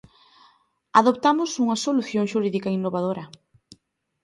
Adoptamos unha solución xurídica innovadora.